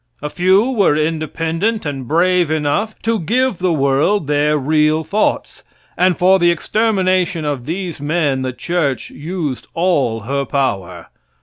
A few were independent and brave enough to give the world their real thoughts, and for the extermination of these men the church used all her power.